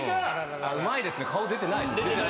うまいですね顔出てない。